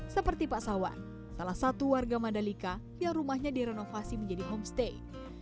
seperti pak sawan salah satu warga mandalika yang rumahnya direnovasi menjadi homestay